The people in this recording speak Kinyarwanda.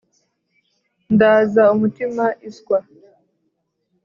ndaza umutima iswa